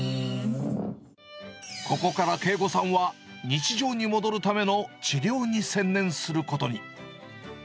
ここから慶子さんは、日常に戻るための治療に専念することに。